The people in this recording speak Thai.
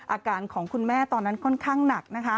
อาการของคุณแม่ตอนนั้นค่อนข้างหนักนะคะ